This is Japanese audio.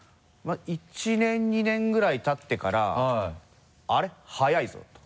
１年２年ぐらいたってから「あれ？速いぞ」と。